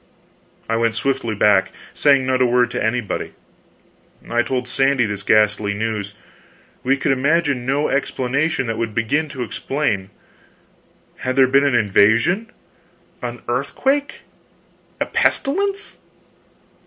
I went swiftly back, saying not a word to anybody. I told Sandy this ghastly news. We could imagine no explanation that would begin to explain. Had there been an invasion? an earthquake? a pestilence?